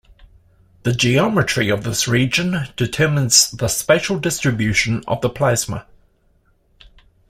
The geometry of this region determines the spatial distribution of the plasma.